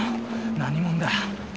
何者だ？